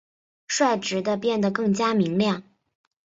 率直地变得更加明亮！